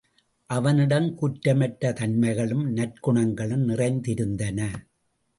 அவனிடம் குற்றமற்ற தன்மைகளும், நற்குணங்களும் நிறைந்திருந்தன.